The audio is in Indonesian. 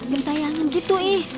gentaianan gitu ih